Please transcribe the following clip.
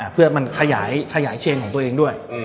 เพื่อมันขยายเชนของตัวเองด้วย